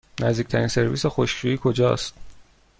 نزدیکترین سرویس خشکشویی کجاست؟